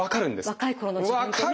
若い頃の自分とね。